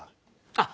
あっ！